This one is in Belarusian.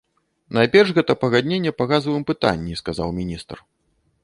Найперш гэта пагадненне па газавым пытанні, сказаў міністр.